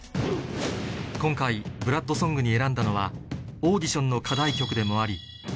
今回 ＢＬＯＯＤＳＯＮＧ に選んだのはオーディションの課題曲でもありとは